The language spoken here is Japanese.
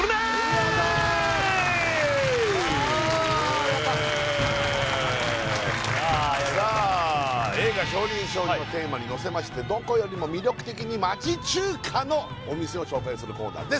あやったうえいさあ映画「少林少女」のテーマにのせましてどこよりも魅力的に町中華のお店を紹介するコーナーです